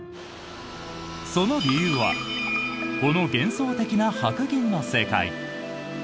その理由はこの幻想的な白銀の世界。